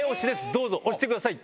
どうぞ押してください。